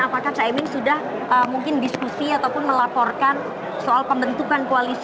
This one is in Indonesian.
apakah caimin sudah mungkin diskusi ataupun melaporkan soal pembentukan koalisi